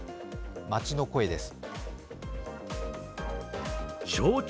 街の声です。